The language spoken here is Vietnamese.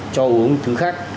cho uống thứ khác